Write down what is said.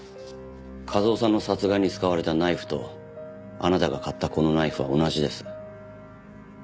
一雄さんの殺害に使われたナイフとあなたが買ったこのナイフは同じです。